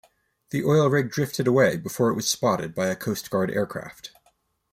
The oil rig drifted away before it was spotted by a Coast Guard aircraft.